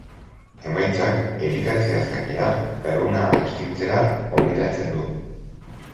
Emaitzak, elikatzeaz gainera, garuna astintzera gonbidatzen du.